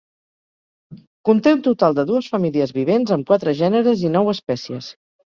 Conté un total de dues famílies vivents, amb quatre gèneres i nou espècies.